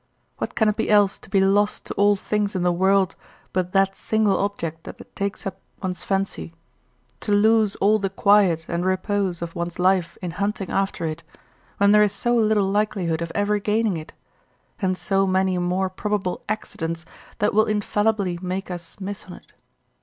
What can it be else to be lost to all things in the world but that single object that takes up one's fancy, to lose all the quiet and repose of one's life in hunting after it, when there is so little likelihood of ever gaining it, and so many more probable accidents that will infallibly make us miss on't?